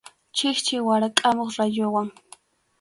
Chikchi warakʼamuq rayuwan.